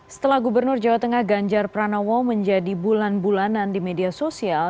setelah gubernur jawa tengah ganjar pranowo menjadi bulan bulanan di media sosial